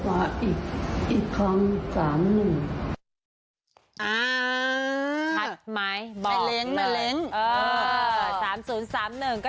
อ่าาาาาถัดไหมบอกหน่อย